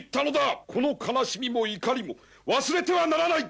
この悲しみも怒りも忘れてはならない！